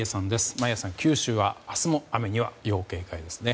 眞家さん、九州は明日も雨には要警戒ですね。